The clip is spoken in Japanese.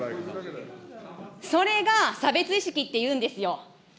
それが差別意識って言うんですよ。